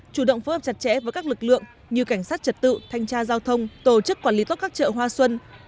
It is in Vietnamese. chủ động phối hợp chặt chẽ với các lực lượng như cảnh sát trật tự thanh tra giao thông tổ chức quản lý tốt các chợ hoa xuân